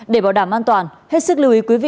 để bảo đảm an toàn hết sức lưu ý quý vị